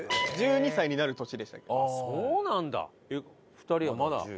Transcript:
２人はまだ。